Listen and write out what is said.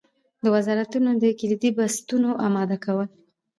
د وزارتونو د کلیدي بستونو اماده کول.